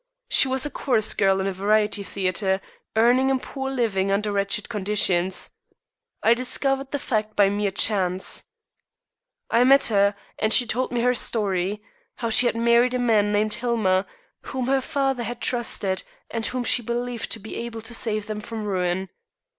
She was a chorus girl in a variety theatre, earning a poor living under wretched conditions. I discovered the fact by mere chance. I met her, and she told me her story how she had married a man named Hillmer, whom her father had trusted, and whom she believed to be able to save them from ruin.